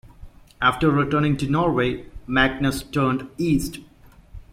After returning to Norway, Magnus turned east.